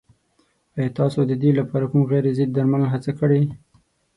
ایا تاسو د دې لپاره کوم غیر ضد درمل هڅه کړې؟